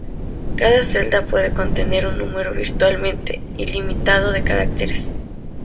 Cada celda puede contener un número virtualmente ilimitado de caracteres.